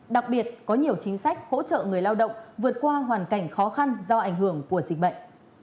đặc biệt có nhiều chính sách hỗ trợ người lao động vượt qua hoàn cảnh khó khăn do ảnh hưởng của dịch bệnh